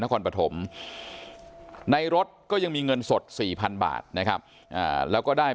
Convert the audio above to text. นครปฐมในรถก็ยังมีเงินสด๔๐๐๐บาทนะครับแล้วก็ได้